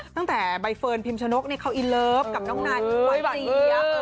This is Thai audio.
ตั้งแต่ใบเฟิร์นพิมชนกเขาอินเลิฟกับน้องนายเจี๊ยบ